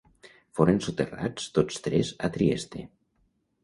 Foren soterrats tots tres a Trieste.